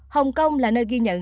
hồng kông là nơi ghi nhận